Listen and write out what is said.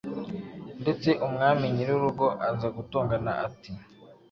ndetse umwami nyiri urugo aza gutongana ati